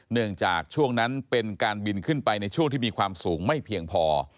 เนื่องจากช่วงนั้นเป็นการบินขึ้นไปในช่วงที่มีความสูงไม่เพียงพอ